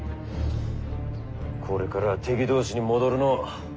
これからは敵同士に戻るのう。